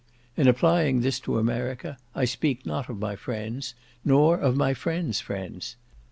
In applying this to America, I speak not of my friends, nor of my friends' friends.